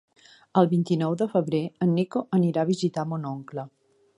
El vint-i-nou de febrer en Nico anirà a visitar mon oncle.